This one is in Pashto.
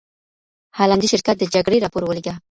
هالندي شرکت د جګړې راپور ولیږه.